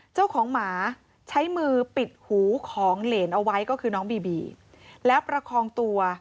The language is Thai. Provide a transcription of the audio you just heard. เจ้าของหมาใช้มือปิดหูของเหรนเอาไว้ก็คือน้องบีบีแล้วประคองตัว